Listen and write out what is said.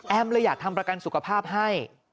เลยอยากทำประกันสุขภาพให้